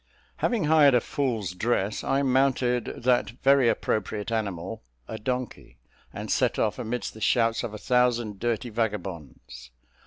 Having hired a fool's dress, I mounted that very appropriate animal a donkey, and set off amidst the shouts of a thousand dirty vagabonds.